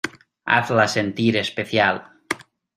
hazla sentir especial